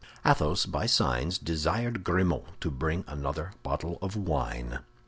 Athos, by signs, desired Grimaud to bring another bottle of wine.